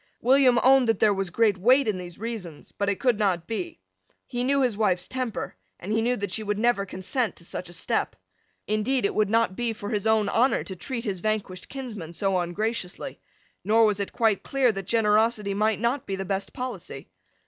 William owned that there was great weight in these reasons, but it could not be. He knew his wife's temper; and he knew that she never would consent to such a step. Indeed it would not be for his own honour to treat his vanquished kinsman so ungraciously. Nor was it quite clear that generosity might not be the best policy.